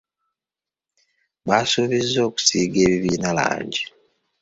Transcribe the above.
Baasuubiza okusiiga ebibiina langi.